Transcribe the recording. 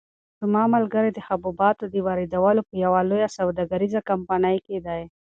زما ملګری د حبوباتو د واردولو په یوه لویه سوداګریزه کمپنۍ کې دی.